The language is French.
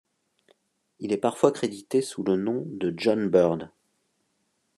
Il est parfois crédité sous le nom de John Byrd.